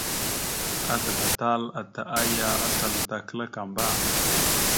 Azləɓatal ata aya atal ata klakamba.